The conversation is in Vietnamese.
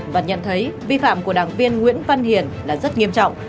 và nhận thấy vi phạm của đảng viên nguyễn văn hiền là rất nghiêm trọng